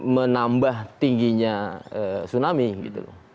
menambah tingginya tsunami